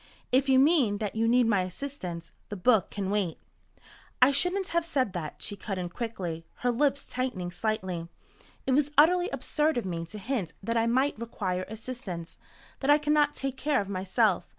"If you mean that you need my assistance, the book can wait." "I shouldn't have said that," she cut in quickly, her lips tightening slightly. "It was utterly absurd of me to hint that I might require assistance that I cannot take care of myself.